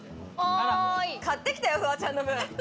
買ってきたよ、フワちゃんのぶん。